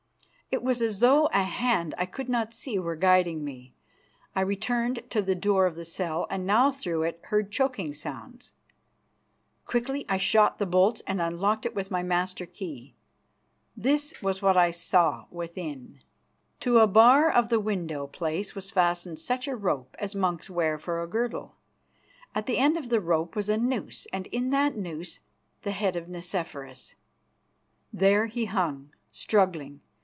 It was as though a hand I could not see were guiding me. I returned to the door of the cell, and now through it heard choking sounds. Quickly I shot the bolts and unlocked it with my master key. This was what I saw within: To a bar of the window place was fastened such a rope as monks wear for a girdle; at the end of the rope was a noose, and in that noose the head of Nicephorus. There he hung, struggling.